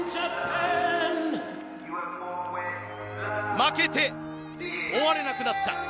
負けて終われなくなった。